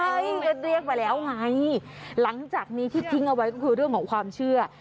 ใช่ก็เรียกไปแล้วไงหลังจากนี้ที่ทิ้งเอาไว้ก็คือเรื่องของความเชื่อ